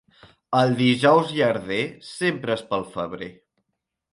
El Dijous Llarder sempre és pel febrer.